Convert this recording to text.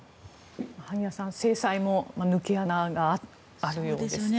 萩谷さん制裁も抜け穴があるようですね。